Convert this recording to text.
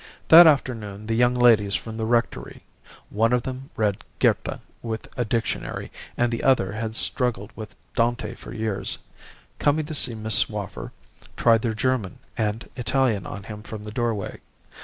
That afternoon the young ladies from the Rectory (one of them read Goethe with a dictionary, and the other had struggled with Dante for years), coming to see Miss Swaffer, tried their German and Italian on him from the doorway.